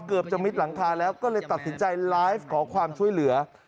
เกือบจะมิดหลังคาแล้วก็เลยตัดสินใจไลฟ์ขอความช่วยเหลือ